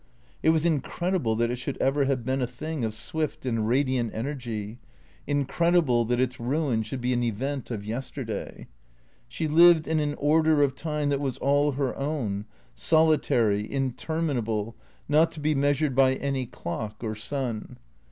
It was incredible that it should ever have been a thing of swift and radiant energy; incredible that its ruin should be an event of yesterday. She lived in an order of time that was all her own, solitary, interminable, not to be measured by any clock or sun.